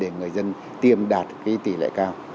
để người dân tiêm đạt cái tỷ lệ cao